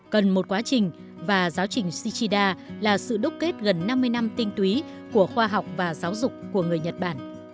cần một quá trình và giáo trình shichida là sự đúc kết gần năm mươi năm tinh túy của khoa học và giáo dục của người nhật bản